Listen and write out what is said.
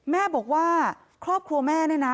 แม่บอกว่าครอบครัวแม่เนี่ยนะ